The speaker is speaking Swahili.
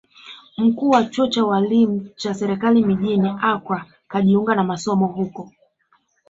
Mkuu wa chuo cha ualimu cha serikali mjini Accra kujiunga na masomo huko